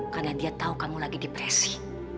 karena dia tahu kamu lagi depresi